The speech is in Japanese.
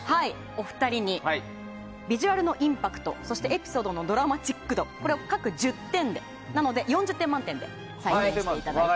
お二人にビジュアルのインパクトエピソードのドラマチック度これを各１０点でなので４０点満点で採点していただいて。